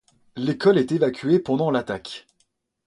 L'école a été évacuée pendant l'attaque.